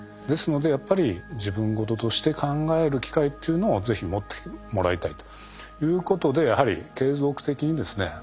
ですのでやっぱり自分事として考える機会っていうのを是非持ってもらいたいということでやはり継続的にですね